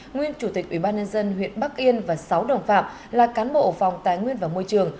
nguyên chủ tịch ubnd huyện bắc yên và sáu đồng phạm là cán bộ phòng tài nguyên và môi trường